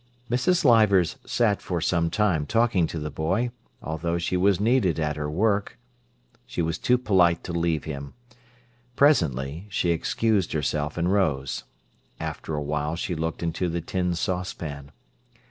Mrs. Leivers sat for some time talking to the boy, although she was needed at her work. She was too polite to leave him. Presently she excused herself and rose. After a while she looked into the tin saucepan.